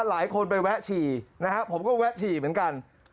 หลายคนไปแวะฉี่นะฮะผมก็แวะฉี่เหมือนกัน